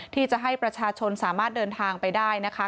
ที่จะให้ประชาชนสามารถเดินทางไปได้นะคะ